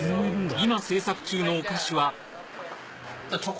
今製作中のお菓子はえ？